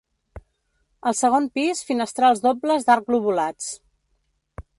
Al segon pis finestrals dobles d'arc lobulats.